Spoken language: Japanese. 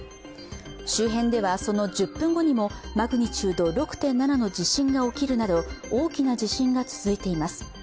周辺ではその１０分後にもマグニチュード６．７の地震が起きるなど大きな地震が続いています。